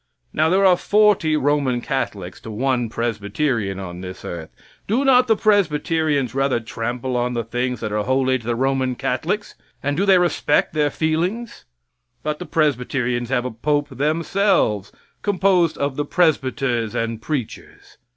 Now there are forty Roman Catholics to one Presbyterian on this earth. Do not the Presbyterians rather trample on the things that are holy to the Roman Catholics, and do they respect their feelings? But the Presbyterians have a pope themselves, composed of the presbyters and preachers.